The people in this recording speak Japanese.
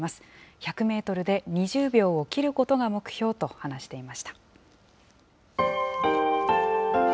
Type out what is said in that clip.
１００メートルで２０秒を切ることが目標と話していました。